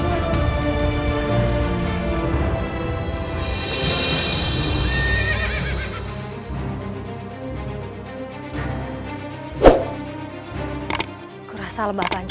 aku rasa lebah panjang menuju kami dari sini